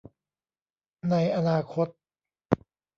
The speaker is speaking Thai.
ในอนาคต